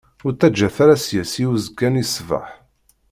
Ur d- ttaǧǧat ara seg-s i uzekka-nni ṣṣbeḥ.